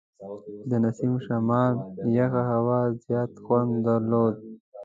د نسیم شمال یخه هوا زیات خوند درلود.